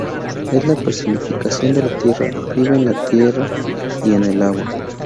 Es la personificación de la tierra, vive en la tierra y en el agua.